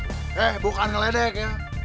hei bukan ngeledek ya